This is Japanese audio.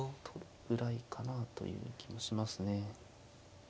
取るぐらいかなという気もしますね。